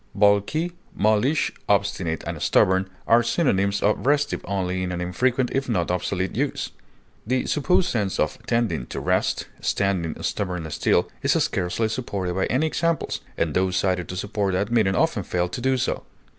Balky, mulish, obstinate, and stubborn are synonyms of restive only in an infrequent if not obsolete use; the supposed sense of "tending to rest," "standing stubbornly still," is scarcely supported by any examples, and those cited to support that meaning often fail to do so.